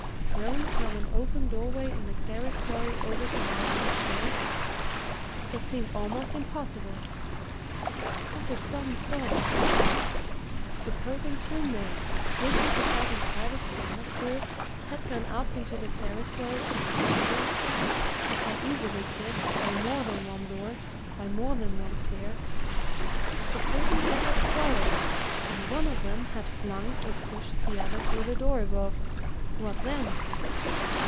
Thrown from an open doorway in the clerestory over St. Wrytha's Stair? it seemed almost impossible! But a sudden thought struck him: supposing two men, wishing to talk in privacy unobserved, had gone up into the clerestory of the Cathedral as they easily could, by more than one door, by more than one stair and supposing they had quarrelled, and one of them had flung or pushed the other through the door above what then?